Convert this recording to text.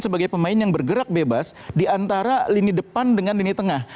sebagai pemain yang bergerak bebas diantara lini depan dengan lini tengah